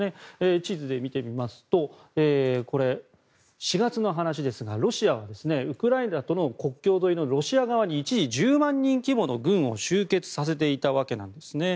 地図で見てみますとこれは４月の話ですがロシアはウクライナとの国境沿いのロシア側に一時１０万人規模の軍を集結させていたわけなんですね。